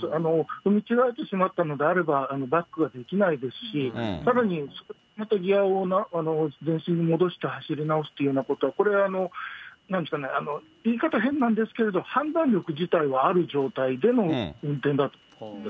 踏み違えてしまったのであれば、バックはできないですし、さらに、ギアを前進に戻して走り直すということ、これはなんというんですかね、言い方変なんですけど、判断力自体はある状態での運転だと思います。